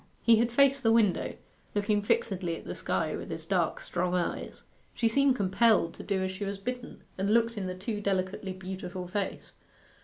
He had faced the window, looking fixedly at the sky with his dark strong eyes. She seemed compelled to do as she was bidden, and looked in the too delicately beautiful face.